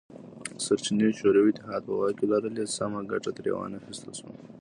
سرچینې چې شوروي اتحاد په واک کې لرلې سمه ګټه ترې وانه خیستل شوه